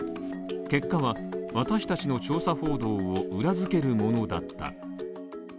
結果は、私たちの調査報道を裏付けるものだった。